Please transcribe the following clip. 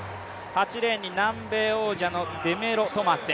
８レーンに南米王者、デメロトマス。